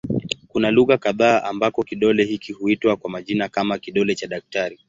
Kuna lugha kadha ambako kidole hiki huitwa kwa majina kama "kidole cha daktari".